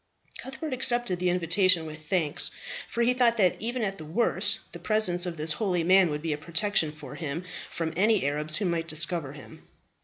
Cuthbert accepted the invitation with thanks; for he thought that even at the worst the presence of this holy man would be a protection to him from any Arabs who might discover him.